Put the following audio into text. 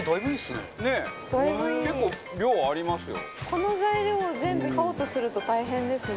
この材料を全部買おうとすると大変ですよね。